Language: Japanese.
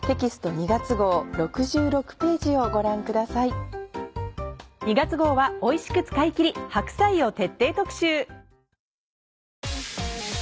２月号はおいしく使いきり白菜を徹底特集。